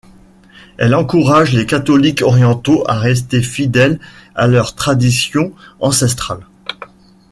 Elle encourage les catholiques orientaux à rester fidèles à leurs traditions ancestrales.